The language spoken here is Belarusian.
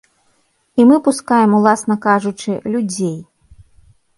І мы пускаем, уласна кажучы, людзей.